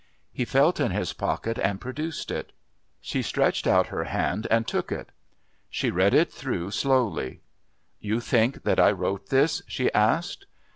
He felt in his pocket and produced it. She stretched out her hand and took it. She read it through slowly. "You think that I wrote this?" she asked.